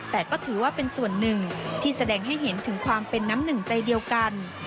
แต่ก็ถือว่าเป็นส่วนหนึ่งที่แสดงให้เห็นถึงความเป็นน้ำหนึ่งใจเดียวกัน